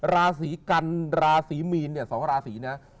ราศีกันราศีมีนสองราศีนะ